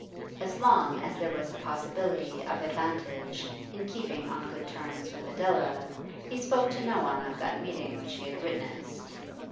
As long as there was a possibility of advantage in keeping on good terms with Adela, he spoke to no one of that meeting which he had witnessed.